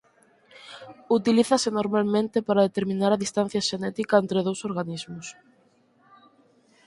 Utilízase normalmente para determinar a distancia xenética entre dous organismos.